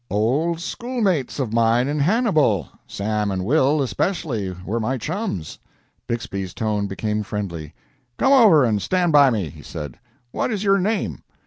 "Old schoolmates of mine in Hannibal. Sam and Will, especially, were my chums." Bixby's tone became friendly. "Come over and stand by me," he said. "What is your name?"